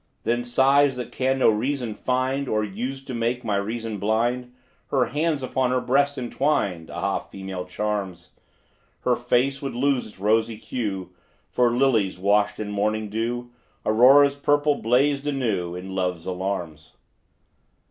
Then sighs that can no reason find, Or used to make my reason blind: Her hands upon her breast entwined Ah, female charms! Her face would lose its rosy hue For lily's, washed in morning dew; Aurora's purple blazed anew, In love's alarms.